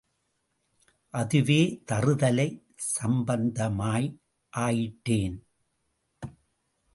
அதுவே தறுதலை சம்பந்தமாய் ஆயிட்டேன்.